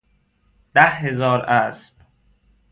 ده هزار اسب